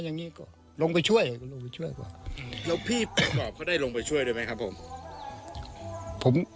แล้วพี่ก็ได้ลงไปช่วยด้วยไหมครับ